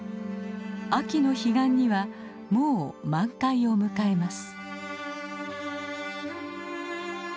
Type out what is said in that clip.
秋の彼岸にはもう満開を迎えます。